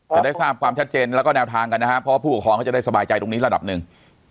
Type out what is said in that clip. จะได้ทราบความชัดเจนแล้วก็แนวทางกันนะครับเพราะว่าผู้ปกครองเขาจะได้สบายใจตรงนี้ระดับหนึ่ง